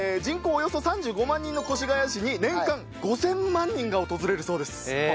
およそ３５万人の越谷市に年間５０００万人が訪れるそうです。